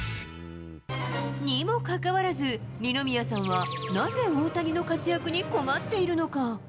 にもかかわらず、二宮さんはなぜ大谷の活躍に困っているのか。